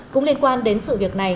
cũng liên quan đến sự việc này